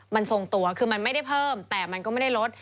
มันทรงตัวคือมันไม่ได้เพิ่มแต่มันก็ไม่ได้ลด